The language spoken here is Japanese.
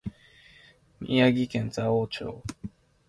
宮城県蔵王町